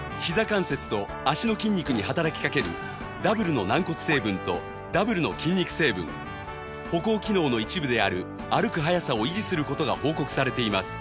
関節と脚の筋肉に働きかけるダブルの軟骨成分とダブルの筋肉成分歩行機能の一部である歩く早さを維持する事が報告されています